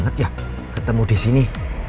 nah sekarang saya udah bangun